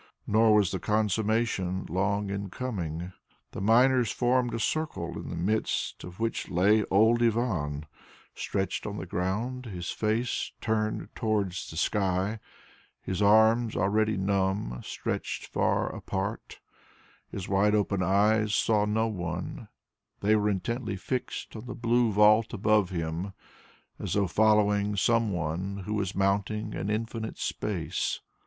Nor was the consummation long in coming. The miners formed a circle in the midst of which lay old Ivan stretched on the ground, his face turned towards the sky, his arms already numb, stretched far apart; his wide open eyes saw no one; they were intently fixed on the blue vault above him as though following some one who was mounting in infinite space.